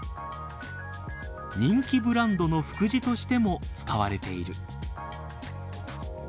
人気ブランドの服地としても使われている。